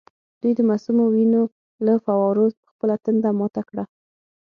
دوی د معصومو وینو له فووارو خپله تنده ماته کړه.